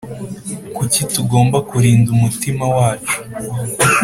Kuki tugomba kurinda umutima wacu